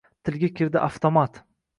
Tilga kirdi avtomat.